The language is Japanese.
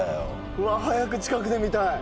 うわっ早く近くで見たい。